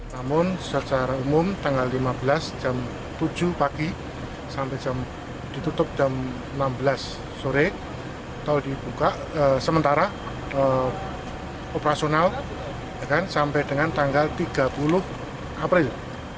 namun secara umum tanggal lima belas jam tujuh pagi sampai jam ditutup jam enam belas sore tol dibuka sementara operasional sampai dengan tanggal tiga puluh april